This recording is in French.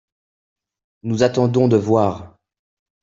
Nous attendons de voir.